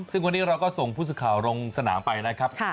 ซึ่งวันนี้เราก็ส่งผู้สื่อข่าวลงสนามไปนะครับ